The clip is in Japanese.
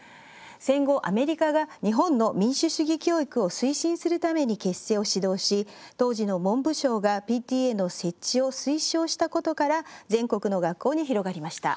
戦後、アメリカが日本の民主主義教育を推進するために結成を指導し当時の文部省がＰＴＡの設置を推奨したことから全国の学校に広がりました。